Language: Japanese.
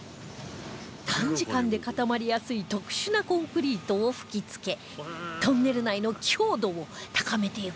短時間で固まりやすい特殊なコンクリートを吹き付けトンネル内の強度を高めていくのだそう